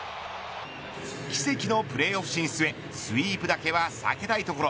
奇跡のプレーオフ進出へスイープだけは避けたいところ。